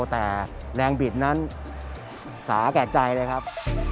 แต่แดงบิดนั้นสาแก่ใจเลยครับ